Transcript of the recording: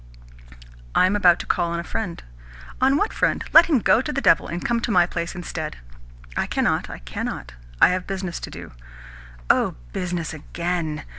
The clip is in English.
"I am about to call on a friend." "On what friend? Let him go to the devil, and come to my place instead." "I cannot, I cannot. I have business to do." "Oh, business again!